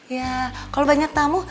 ya kalau banyak tamu